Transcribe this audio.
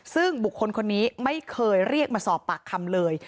ซึ่งบุคคลคนนี้ไม่เคยเรียกมาสอบปากคำเลย